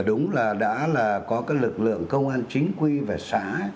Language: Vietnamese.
đúng là đã là có cái lực lượng công an chính quy và xã